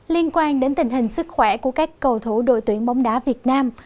liên quan đến tình hình sức khỏe của các cầu thủ đội tuyển bóng đá việt nam